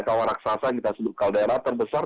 kawa raksasa kita sebut kaldera terbesar